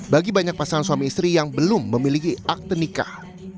bagi banyak pasangan suami istri yang belum memiliki akte nikah